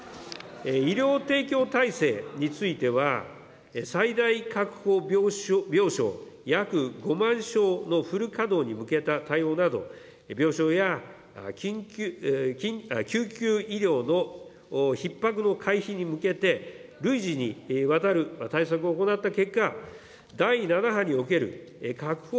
医療提供体制については、最大確保病床約５万床のフル稼働に向けた対応など、病床や救急医療のひっ迫の回避に向けて、累次にわたる対策を行った結果、第７波における確保